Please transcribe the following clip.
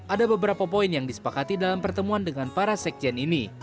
ada beberapa poin yang disepakati dalam pertemuan dengan para sekjen ini